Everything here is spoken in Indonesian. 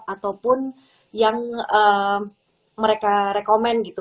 ataupun yang mereka rekomen gitu